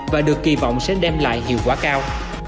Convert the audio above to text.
và được kỳ vọng sẽ đem lại hiệu quả cao